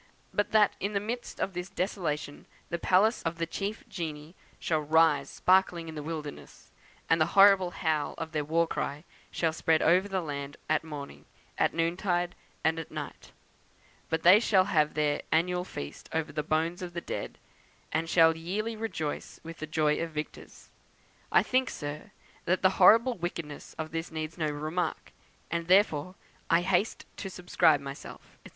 But that in the midst of this desolation the palace of the Chief Genii shall rise sparkling in the wilderness, and the horrible howl of their war cry shall spread over the land at morning, at noontide and night; but that they shall have their annual feast over the bones of the dead, and shall yearly rejoice with the joy of victors. I think, sir, that the horrible wickedness of this needs no remark, and therefore I haste to subscribe myself, &c.